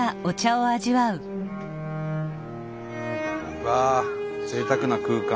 うわぜいたくな空間。